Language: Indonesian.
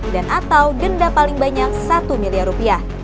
dan atau genda paling banyak satu miliar rupiah